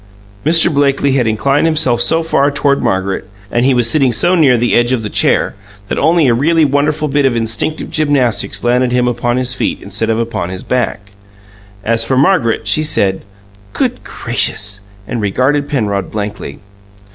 Mr. Blakely had inclined himself so far toward Margaret, and he was sitting so near the edge of the chair, that only a really wonderful bit of instinctive gymnastics landed him upon his feet instead of upon his back. As for Margaret, she said, "Good gracious!" and regarded Penrod blankly.